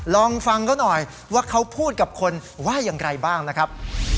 ลองฟังเขาหน่อยว่าเขาพูดกับคนว่าอย่างไรบ้างนะครับ